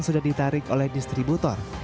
sudah ditarik oleh distributor